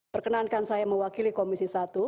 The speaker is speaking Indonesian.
perkenankan saya mewakili komisi satu